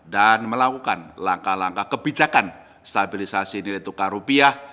dan melakukan langkah langkah kebijakan stabilisasi nilai tukar rupiah